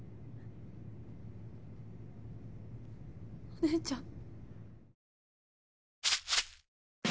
お姉ちゃん？